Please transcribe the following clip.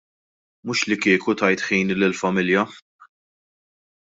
Mhux li kieku tajt ħini lill-familja.